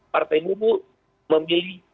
partai buruh memilih